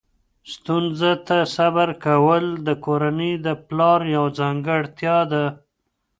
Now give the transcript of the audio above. ستونزو ته صبر کول د کورنۍ د پلار یوه ځانګړتیا ده.